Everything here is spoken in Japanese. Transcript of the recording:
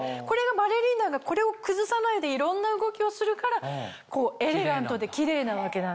バレリーナがこれを崩さないでいろんな動きをするからエレガントでキレイなわけなんですよ。